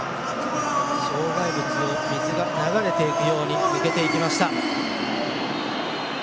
障害物を水が流れていくように抜けていきました。